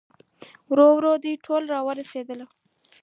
ورو ورو دوی ټول راورسېدل.